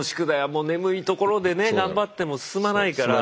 もう眠いところでね頑張っても進まないから。